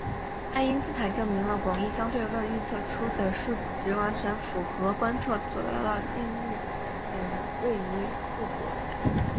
爱因斯坦证明了广义相对论预测出的数值完全符合观测所得的近日点位移数值。